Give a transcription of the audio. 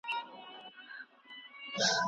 د دغه باغ د رنګینه ګلدستې ښکلې غوټۍ